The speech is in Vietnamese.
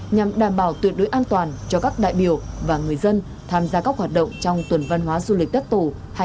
nhằm đảm bảo tuyệt đối an toàn cho các đại biểu và người dân tham gia các hoạt động trong tuần văn hóa du lịch đất tổ hai nghìn hai mươi bốn